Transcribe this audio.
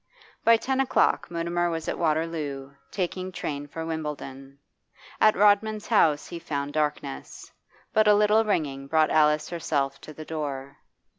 By ten o'clock Mutimer was at Waterloo, taking train for Wimbledon. At Rodman's house he found darkness, but a little ringing brought Alice herself to the door.